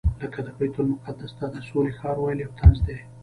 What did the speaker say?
لکه د بیت المقدس ته د سولې ښار ویل یو طنز دی.